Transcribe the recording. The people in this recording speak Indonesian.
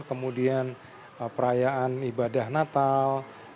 kemudian perayaan ibadah natal